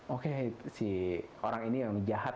oke si orang ini yang jahat